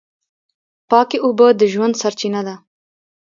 پاکې اوبه د ژوند سرچینه ده.